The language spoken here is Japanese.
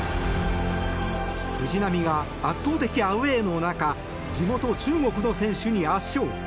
藤波は圧倒的アウェーの中地元・中国の選手に圧勝。